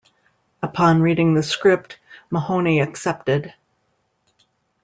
Upon reading the script, Mahoney accepted.